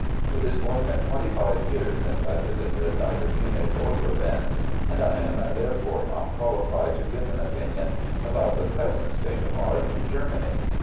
It is more than twenty five years since I visited either Munich or Berlin, and I am therefore not qualified to give an opinion about the present state of art in Germany.